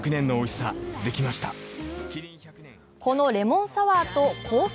このレモンサワーとコース